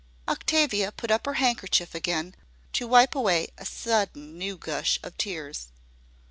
Octavia put up her handkerchief again to wipe away a sudden new gush of tears.